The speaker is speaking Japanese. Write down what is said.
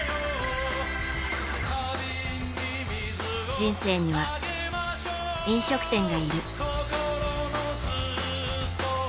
人生には、飲食店がいる。